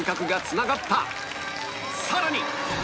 さらに！